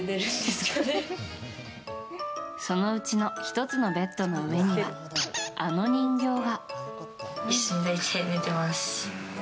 そのうちの１つのベッドの上にはあの人形が。